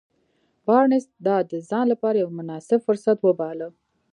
بارنس دا د ځان لپاره يو مناسب فرصت وباله.